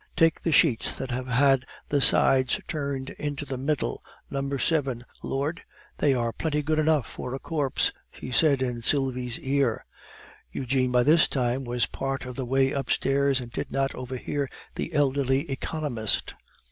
"Take the sheets that have had the sides turned into the middle, number 7. Lord! they are plenty good enough for a corpse," she said in Sylvie's ear. Eugene, by this time, was part of the way upstairs, and did not overhear the elderly economist.